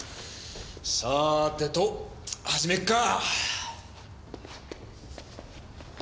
さてと始めっか！